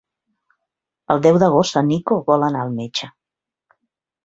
El deu d'agost en Nico vol anar al metge.